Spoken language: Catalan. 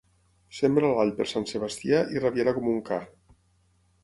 Sembra l'all per Sant Sebastià i rabiarà com un ca.